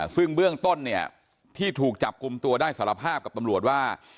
ซึ่งเบื้องต้นเนี่ยที่ถูกจับกลุ่มตัวได้สารภาพกับตำรวจว่า